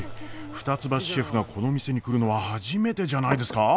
二ツ橋シェフがこの店に来るのは初めてじゃないですか？